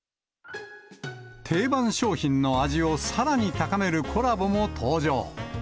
定番商品の味をさらに高めるコラボも登場。